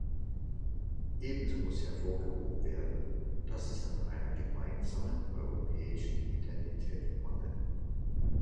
Ebenso muss hervorgehoben werden, dass es an einer gemeinsamen europäischen Identität mangelt.